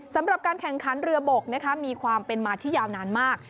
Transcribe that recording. สำหรับการแข่งขันเรือบกมีความเป็นมาที่ยาวนานมาก